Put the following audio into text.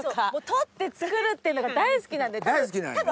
取って作るっていうのが大好きなんで。